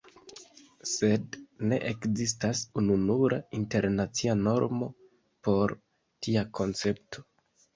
Sed ne ekzistas ununura internacia normo por tia koncepto.